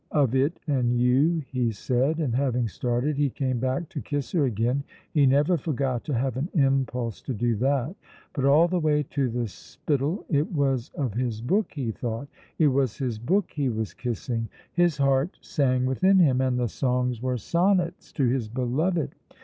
"Of it and you," he said; and having started, he came back to kiss her again; he never forgot to have an impulse to do that. But all the way to the Spittal it was of his book he thought, it was his book he was kissing. His heart sang within him, and the songs were sonnets to his beloved.